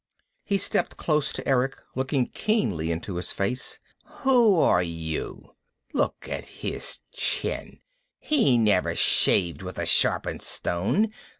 He stepped close to Erick, looking keenly into his face. "Who are you? Look at his chin he never shaved with a sharpened stone!